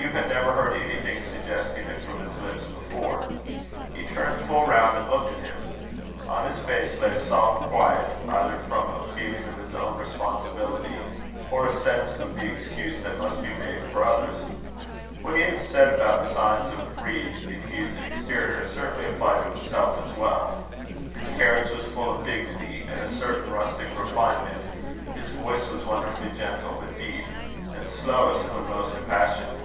Hugh had never heard anything suggesting it from his lips before. He turned full round and looked at him. On his face lay a solemn quiet, either from a feeling of his own responsibility, or a sense of the excuse that must be made for others. What he had said about the signs of breed in Hugh's exterior, certainly applied to himself as well. His carriage was full of dignity, and a certain rustic refinement; his voice was wonderfully gentle, but deep; and slowest when most impassioned.